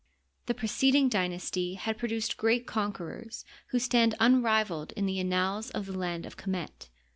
The preceding dynasty had produced gfreat conquerors who stand unrivaled in the annals of the land of Qemet.